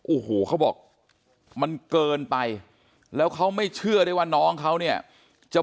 โอ้โหเขาบอกมันเกินไปแล้วเขาไม่เชื่อได้ว่าน้องเขาเนี่ยจะ